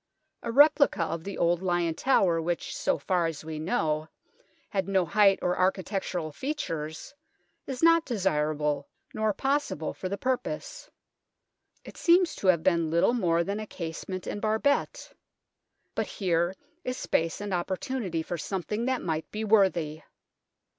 A replica of the old Lion Tower, which, so far as we know, had no height or architectural features, is not desirable, nor possible for the purpose. It seems to have been little more than a casement and barbette. But here is space and opportunity for some thing that might be worthy.